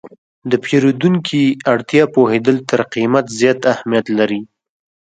د پیرودونکي اړتیا پوهېدل تر قیمت زیات اهمیت لري.